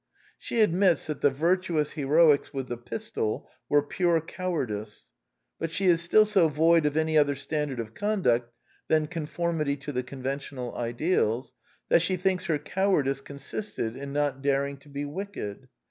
She admits that the vir tuous heroics with the pistol were pure cowardice ; but she is still so void of any other standard of conduct than conformity to the conventional ideals, that she thinks her cowardice consisted in not daring to be wicked.